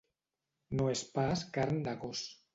No és pas carn de gos.